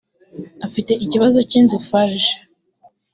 afite ikibazo cy inzu farg